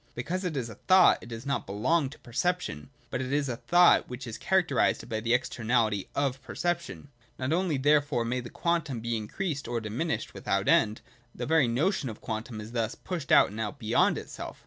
Because it is a thought, it does not belong to perception : but it is a thought which is characterised by the externality of perception. — Not only therefore may the quantum be increased or dimi nished without end : the very notion of quantum is thus to push out and out beyond itself.